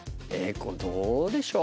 これどうでしょう？